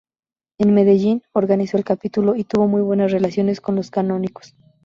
En Medellín, organizó el Capítulo y tuvo muy buenas relaciones con los canónicos.